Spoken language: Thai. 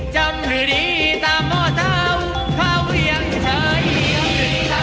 เจ้าคลายดินหวงหญิงแนน